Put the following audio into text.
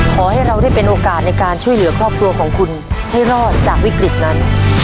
ขอให้เราได้เป็นโอกาสในการช่วยเหลือครอบครัวของคุณให้รอดจากวิกฤตนั้น